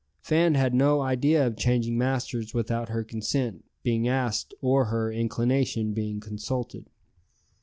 Fan had no idea of changing masters without her consent being asked or her inclination being consulted.